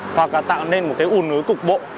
hoặc là tạo nên một cái u nối cục bộ